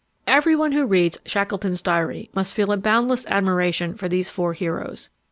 Everyone who reads Shackleton's diary must feel a boundless admiration for these four heroes.